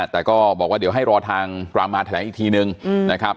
แต่ก็บอกว่าเดี๋ยวให้รอทางรามาแถลงอีกทีนึงนะครับ